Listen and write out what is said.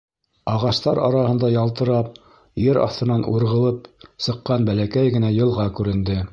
Ағастар араһында ялтырап, ер аҫтынан урғылып сыҡҡан бәләкәй генә йылға күренде.